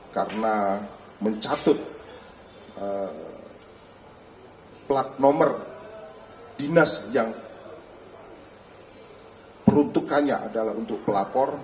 karena mencatut plat nomor dinas yang peruntukannya adalah untuk pelapor